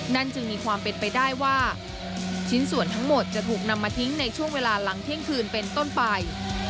จึงมีความเป็นไปได้ว่าชิ้นส่วนทั้งหมดจะถูกนำมาทิ้งในช่วงเวลาหลังเที่ยงคืนเป็นต้นไป